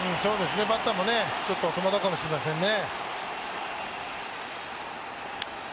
バッターもちょっと戸惑うかもしれませんね。